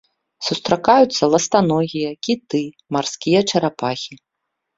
Сустракаюцца ластаногія, кіты, марскія чарапахі.